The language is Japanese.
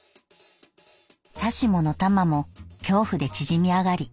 さしものタマも恐怖で縮み上り